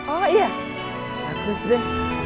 oh iya harus deh